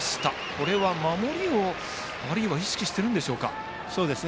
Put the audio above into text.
これは守りを意識してるんでしょうか。